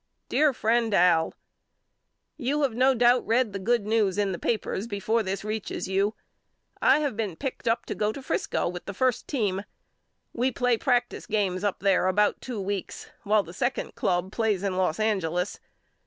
DEAR FRIEND AL: You have no doubt read the good news in the papers before this reaches you. I have been picked to go to Frisco with the first team. We play practice games up there about two weeks while the second club plays in Los Angeles.